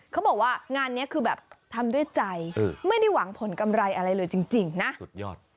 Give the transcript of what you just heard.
เขาบอกว่างานนี้คือแบบทำด้วยใจไม่ได้หวังผลกำไรอะไรเลยจริงนะสุดยอด